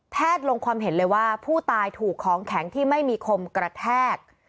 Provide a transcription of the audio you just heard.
ลงความเห็นเลยว่าผู้ตายถูกของแข็งที่ไม่มีคมกระแทก